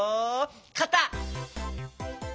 かた！